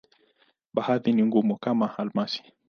Baadhi ni ngumu, kama almasi.